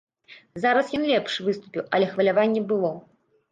Зараз ён лепш выступіў, але хваляванне было.